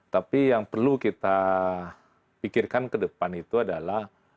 tapi yang perlu kita pikirkan ke depan itu adalah